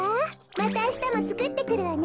またあしたもつくってくるわね。